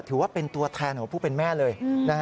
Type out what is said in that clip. ถือว่าเป็นตัวแทนของผู้เป็นแม่เลย